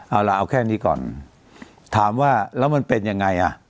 เอาล่ะเอาแค่นี้ก่อนถามว่าแล้วมันเป็นยังไงอ่ะ